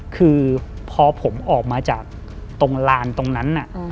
คือพอผมออกมาจากตรงลานตรงนั้น